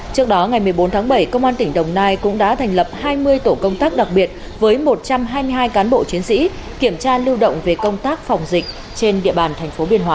trước đó ngày một mươi bốn tháng bảy công an tỉnh đồng nai cũng đã thành lập hai mươi tổ công tác đặc biệt với một trăm hai mươi hai cán bộ chiến sĩ kiểm tra lưu động về công tác phòng dịch trên địa bàn thành phố biên hòa